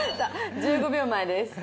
１５秒前です。